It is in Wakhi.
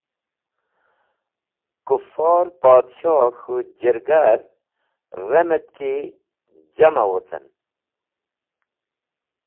Kufor Podshoh k̃hũ jirga’er remet ki jam’a wocen.